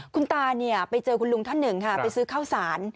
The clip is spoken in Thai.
คุณตาไปเจอคุณลุงท่านหนึ่งค่ะไปซื้อข้าวสาร